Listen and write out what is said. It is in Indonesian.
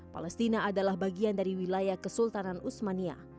palestina adalah bagian dari wilayah kesultanan usmania